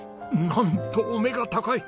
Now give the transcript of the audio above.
なんとお目が高い！